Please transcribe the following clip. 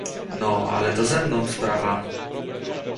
"No, ale to ze mną sprawa!..."